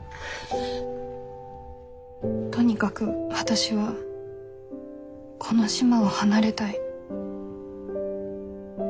とにかく私はこの島を離れたい。